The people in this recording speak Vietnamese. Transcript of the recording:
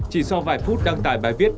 chỉ sau vài phút đăng tài bài viết